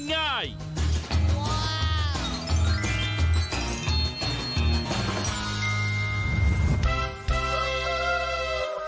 เก่งประหลาด